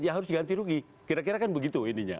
ya harus ganti rugi kira kira kan begitu ininya